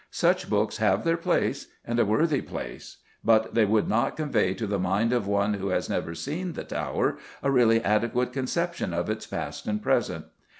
Such books have their place, and a worthy place, but they would not convey to the mind of one who has never seen the Tower, a really adequate conception of its past and present.